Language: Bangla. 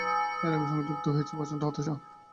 এই রাগের সঙ্গে যুক্ত হয়েছে প্রচণ্ড হতাশা।